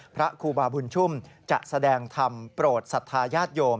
พระครูบาบุญชุมจะแสดงทำโปรดสัทธายาชโยม